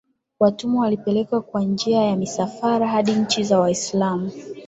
watumwa walipelekwa kwa njia ya misafara hadi nchi za Waislamu